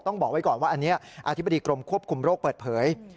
บอกไว้ก่อนว่าอันนี้อธิบดีกรมควบคุมโรคเปิดเผย